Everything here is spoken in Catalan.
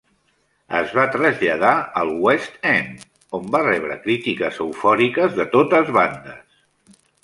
Es va traslladar al West End, on va rebre crítiques eufòriques de totes bandes.